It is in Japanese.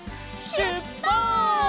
しゅっぱつ！